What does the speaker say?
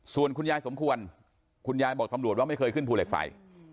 ส่วนคุณยายสมควรคุณยายบอกตำรวจว่าไม่เคยขึ้นภูเหล็กไฟ